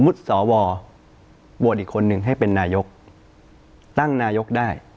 สวโหวตอีกคนนึงให้เป็นนายกตั้งนายกได้